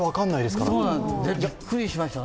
びっくりしましたね。